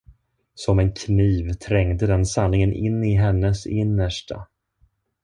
Som en kniv trängde den sanningen in i hennes innersta.